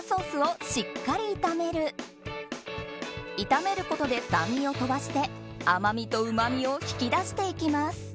炒めることで酸味を飛ばして甘みとうまみを引き出していきます。